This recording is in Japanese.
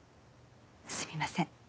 すみません。